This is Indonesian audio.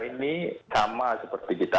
ini sama seperti kita